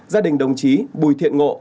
gia đình đồng chí bùi thiện ngộ